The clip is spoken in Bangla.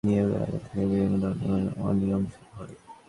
গবেষণা প্রতিবেদনে বলা হয়, নিয়োগের আগে থেকেই বিভিন্ন ধরনের অনিয়ম শুরু হয়।